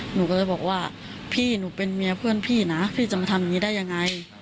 หนูก็เลยบอกว่าพี่หนูเป็นเมียเพื่อนพี่นะพี่จะมาทำอย่างนี้ได้ยังไง